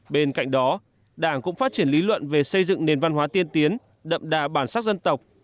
bên cạnh đó đảng cũng phát triển lý luận về xây dựng nền văn hóa tiên tiến đậm đà bản sắc dân tộc